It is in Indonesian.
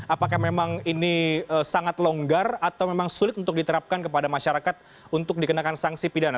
apakah memang ini sangat longgar atau memang sulit untuk diterapkan kepada masyarakat untuk dikenakan sanksi pidana